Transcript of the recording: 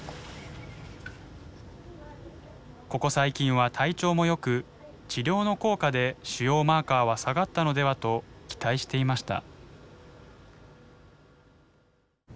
ここ最近は体調もよく治療の効果で腫瘍マーカーは下がったのではと期待していました。